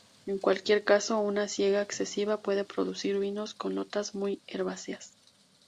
En cualquier caso, una siega excesiva puede producir vinos con notas muy herbáceas.